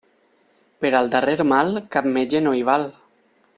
Per al darrer mal, cap metge no hi val.